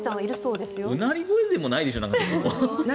うなり声でもないでしょう。